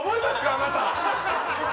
あなた！